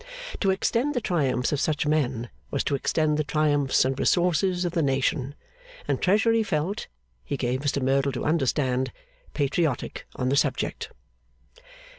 To extend the triumphs of such men was to extend the triumphs and resources of the nation; and Treasury felt he gave Mr Merdle to understand patriotic on the subject.